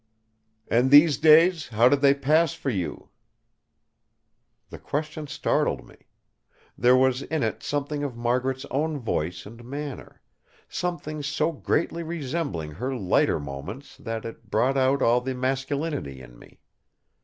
"And these days, how did they pass for you?" The question startled me. There was in it something of Margaret's own voice and manner; something so greatly resembling her lighter moments that it brought out all the masculinity in me.